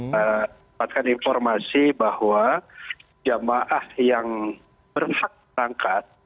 mematikan informasi bahwa jemaah yang berangkat